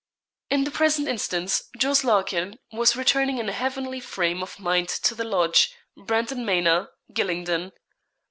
In the present instance Jos. Larkin was returning in a heavenly frame of mind to the Lodge, Brandon Manor, Gylingden.